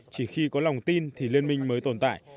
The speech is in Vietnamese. chỉ khi có lòng tin thì liên minh mới tồn tại